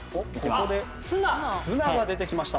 ここでツナが出てきました。